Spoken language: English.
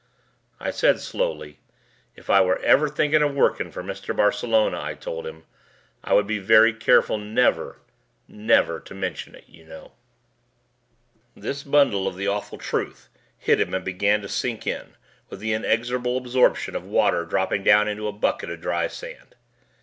I said slowly, "If I were even thinking of working for Mr. Barcelona," I told him, "I would be very careful never, never to mention it, you know." This bundle of The Awful Truth hit him and began to sink in with the inexorable absorption of water dropping down into a bucket of dry sand.